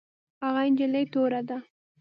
هغه نجلۍ توره ده